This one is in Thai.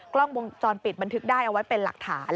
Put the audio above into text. กล้องวงจรปิดบันทึกได้เอาไว้เป็นหลักฐาน